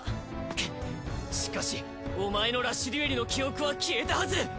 クッしかしお前のラッシュデュエルの記憶は消えたはず！